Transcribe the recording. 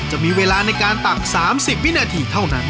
จะมีเวลาในการตัก๓๐วินาทีเท่านั้น